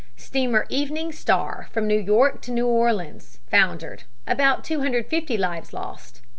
Steamer Evening Star, from New York to New Orleans, foundered; about 250 lives lost.